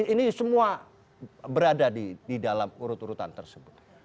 ini semua berada di dalam urut urutan tersebut